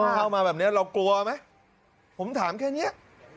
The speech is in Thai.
เข้ามาแบบนี้เรากลัวไหมผมถามแค่เนี้ย